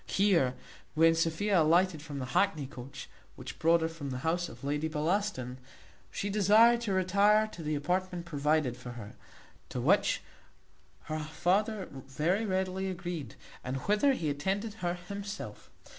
Here, when Sophia alighted from the hackney coach, which brought her from the house of Lady Bellaston, she desired to retire to the apartment provided for her; to which her father very readily agreed, and whither he attended her himself.